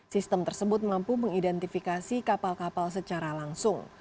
sistem tersebut mampu mengidentifikasi kapal kapal secara langsung